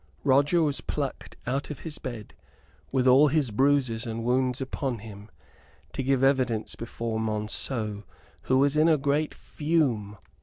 Roger was plucked out of his bed, with all his bruises and wounds upon him, to give evidence before Monceux, who was in a great fume.